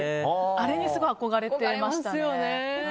あれにすごい憧れてましたね。